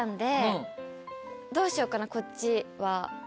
どうしようかなこっちは。